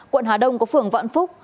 quận hà đông có phường vạn phúc